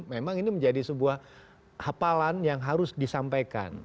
jadi pasang ini menjadi sebuah hapalan yang harus disampaikan